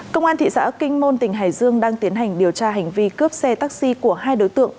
công an thị xã kinh môn tỉnh hải dương đang tiến hành điều tra hành vi cướp xe taxi của hai đối tượng